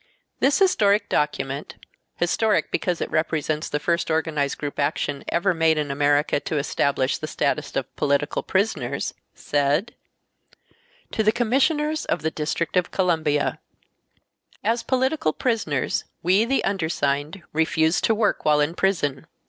This historic document historic because it represents the first organized group action ever made in America to establish the status of political prisoners—said: To the Commissioners of the Distinct of Columbia: As political prisoners, we, the undersigned, refuse to work while in prison.